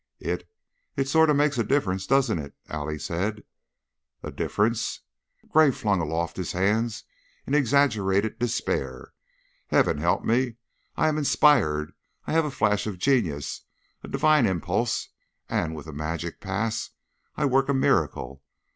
"It it sort of makes a difference, doesn't it?" Allie said. "'A difference'!" Gray flung aloft his hands in exaggerated despair. "Heaven help me! I am inspired; I have a flash of genius, a divine impulse, and with a magic pass I work a miracle.